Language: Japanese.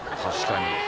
確かに。